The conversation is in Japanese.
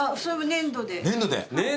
粘土で？